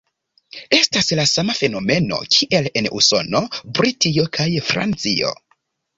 Estas la sama fenomeno kiel en Usono, Britio kaj Francio.